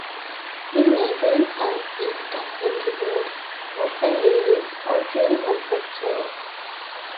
In neighbouring South Wigston Henry Bates was the leading hosiery manufacturer.